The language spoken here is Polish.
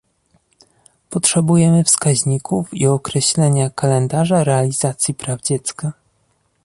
Potrzebujemy wskaźników i określenia kalendarza realizacji praw dziecka